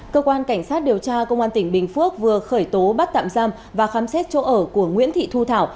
cơ quan cảnh sát điều tra công an tỉnh bình phước vừa khởi tố bắt tạm giam và khám xét chỗ ở của nguyễn thị thu thảo